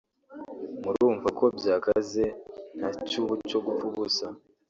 murumva ko byakaze nta cyubu cyo gupfa ubusa